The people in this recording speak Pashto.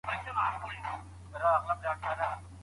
آیا د وچو مېوو خرڅلاو د انټرنیټ له لاري هم کېږي؟.